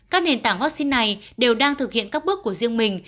các nền tảng vaccine này đều đang thực hiện các bước của riêng mình